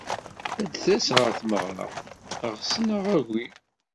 Ad d-tas ɣer tmeɣra, eɣs neɣ agi.